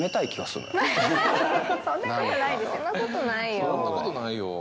そんなことないよー。